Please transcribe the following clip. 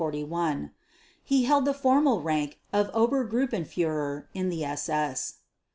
He held the formal rank of Obergruppenführer in the SS.